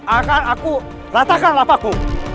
akan aku ratakan lapaku